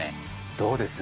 どうです？